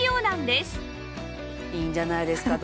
いいんじゃないですか？